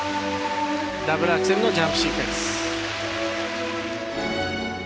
ダブルアクセルのジャンプシークエンス。